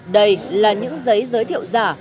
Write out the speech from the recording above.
đây là những giấy giới thiệu giả